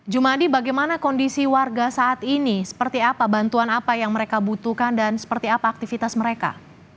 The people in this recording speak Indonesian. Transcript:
jumadi bagaimana kondisi warga saat ini seperti apa bantuan apa yang mereka butuhkan dan seperti apa aktivitas mereka